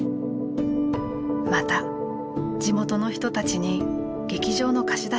また地元の人たちに劇場の貸し出しも行いました。